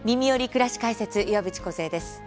くらし解説」岩渕梢です。